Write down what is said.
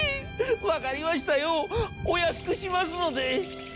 分かりましたよぉお安くしますので！』。